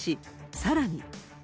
さらに。